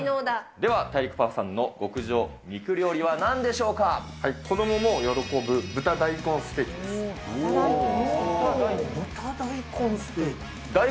では、大陸パパさんの極上肉子どもも喜ぶ、豚大根ステー豚大根？